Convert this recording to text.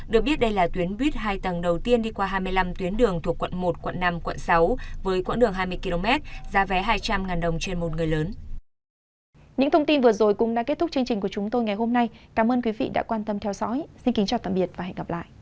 được biết đây là tuyến buýt hai tầng đầu tiên đi qua hai mươi năm tuyến đường thuộc quận một quận năm quận sáu với quãng đường hai mươi km giá vé hai trăm linh đồng trên một người lớn